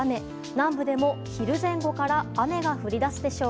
南部でも、昼前後から雨が降り出すでしょう。